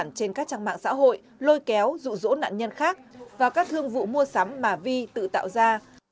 tài khoản trên các trang mạng xã hội lôi kéo dụ dỗ nạn nhân khác và các thương vụ mua sắm mà vi tự tạo ra